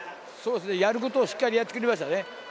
やることをしっかりやってくれましたね。